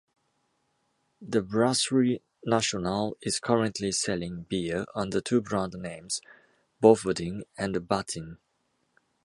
The Brasserie Nationale is currently selling beer under two brand names: "Bofferding" and "Battin".